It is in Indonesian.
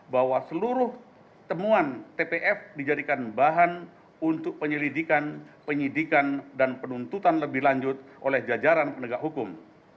bahwa seluruh temuan tpf dijadikan bahan untuk penyelidikan penyidikan dan penuntutan lebih lanjut oleh jajaran penegak hukum